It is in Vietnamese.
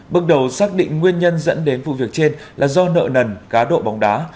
bước đầu xác định nguyên nhân dẫn đến vụ việc trên là do nợ nần cá độ bóng đá